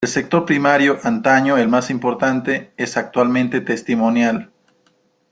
El sector primario, antaño el más importante, es actualmente testimonial.